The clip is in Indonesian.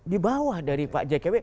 di bawah dari pak jkw